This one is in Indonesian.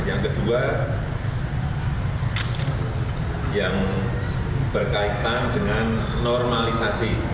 yang kedua yang berkaitan dengan normalisasi